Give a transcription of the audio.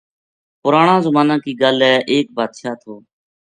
پرانا زمانا کی گل ہے ایک بادشاہ تھو